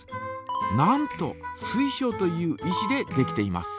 なんと水晶という石でできています。